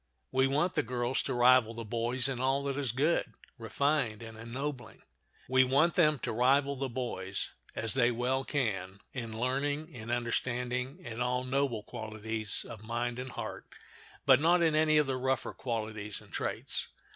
We want the girls to rival the boys in all that is good, refined, and ennobling. We want them to rival the boys, as they well can, in learning, in understanding, in all noble qualities of mind and heart, but not in any of the rougher qualities and traits.